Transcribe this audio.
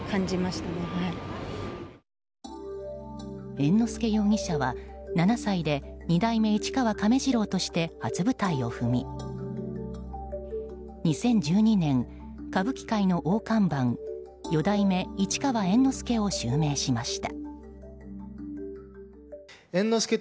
猿之助容疑者は７歳で二代目市川亀治郎として初舞台を踏み２０１２年、歌舞伎界の大看板四代目市川猿之助を襲名しました。